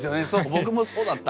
僕もそうだった。